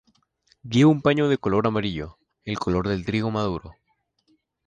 Lleva un paño de color amarillo, el color del trigo maduro.